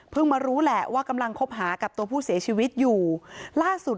มารู้แหละว่ากำลังคบหากับตัวผู้เสียชีวิตอยู่ล่าสุด